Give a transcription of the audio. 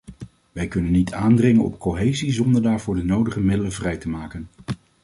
Wij kunnen niet aandringen op cohesie zonder daarvoor de nodige middelen vrij te maken.